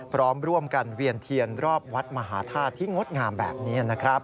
พร้อมร่วมกันเวียนเทียนรอบวัดมหาธาตุที่งดงามแบบนี้นะครับ